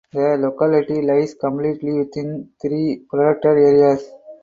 The locality lies completely within three protected areas.